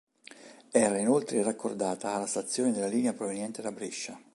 Era inoltre raccordata alla stazione della linea proveniente da Brescia.